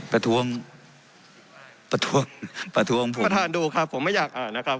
ประท้วงประท้วงประท้วงพวกประธานดูครับผมไม่อยากอ่านนะครับ